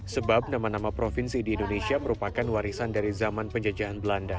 sebab nama nama provinsi di indonesia merupakan warisan dari zaman penjajahan belanda